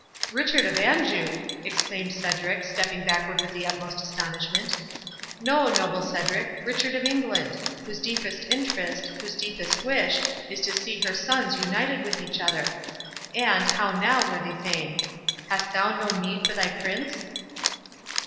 "Richard of Anjou!" exclaimed Cedric, stepping backward with the utmost astonishment. "No, noble Cedric—Richard of England!—whose deepest interest—whose deepest wish, is to see her sons united with each other.—And, how now, worthy Thane! hast thou no knee for thy prince?"